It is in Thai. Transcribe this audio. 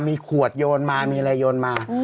มีขวดโยนมามีอะไรโยนมา